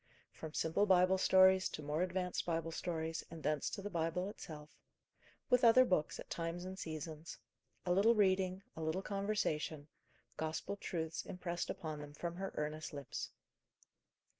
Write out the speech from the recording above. From simple Bible stories to more advanced Bible stories, and thence to the Bible itself; with other books at times and seasons: a little reading, a little conversation, Gospel truths impressed upon them from her earnest lips.